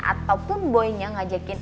ataupun boynya ngajakin